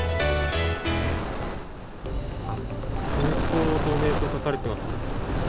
通行止めと書かれていますね。